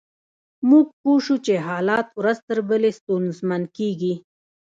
موږ پوه شوو چې حالات ورځ تر بلې ستونزمن کیږي